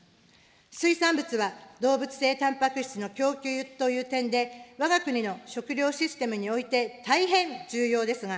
水産物は動物性たんぱく質の供給という点で、わが国の食料システムにおいて大変重要ですが、